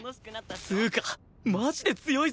つうかマジで強いぞ！